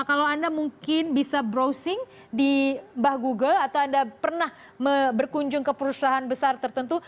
kalau anda mungkin bisa browsing di mbah google atau anda pernah berkunjung ke perusahaan besar tertentu